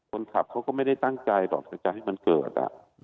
คนขับเขาก็ไม่ได้ตั้งใจหรอกสนใจให้มันเกิด